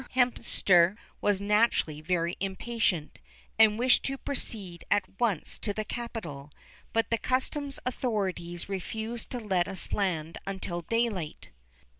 Hemster was naturally very impatient, and wished to proceed at once to the capital, but the customs authorities refused to let us land until daylight.